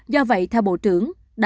do vậy theo bộ trưởng đào ngọc dung